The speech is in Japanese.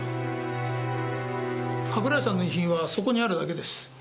加倉井さんの遺品はそこにあるだけです。